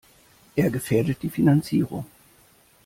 Er gefährdet die Finanzierung.